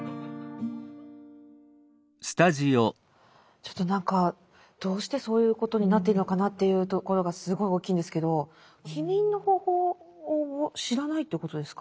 ちょっと何かどうしてそういうことになっているのかなというところがすごい大きいんですけど避妊の方法を知らないということですか？